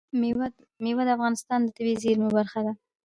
مېوې د افغانستان د طبیعي زیرمو برخه ده.